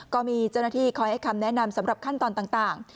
ก็มีเจ้าหน้าที่คอยให้คำแนะนำสำหรับขั้นตอนต่าง